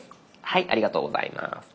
ありがとうございます。